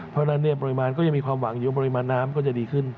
เพราะฉะนั้นปริมาณก็ยังมีความหวังอยู่ปริมาณน้ำก็จะดีขึ้น